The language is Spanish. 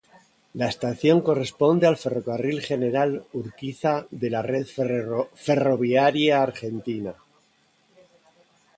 La estación corresponde al Ferrocarril General Urquiza de la red ferroviaria argentina.